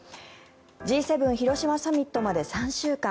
Ｇ７広島サミットまで３週間。